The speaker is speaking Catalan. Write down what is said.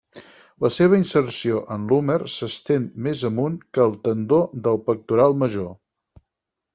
La seva inserció en l'húmer s'estén més amunt que el tendó del pectoral major.